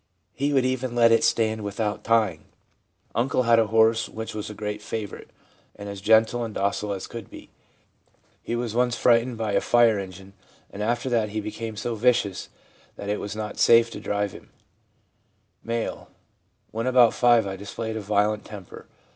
He would even let it stand without tying.' ' Uncle had a horse which was a great favourite, and as gentle and docile as could be. He was once frightened by a fire engine, and after that he became so vicious that it was not safe to drive him/ M. 'When about 5 I displayed a violent temper.